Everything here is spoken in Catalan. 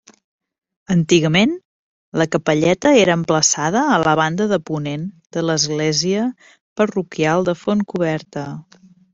Antigament, la capelleta era emplaçada a la banda de ponent de l'església parroquial de Fontcoberta.